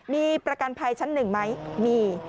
มีประกันภัยชั้นหนึ่งไหมมี